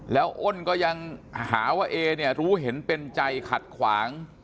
แล้วอ้นก็ยังหาว่าเอเนี่ยรู้เห็นเป็นใจขัดขวาง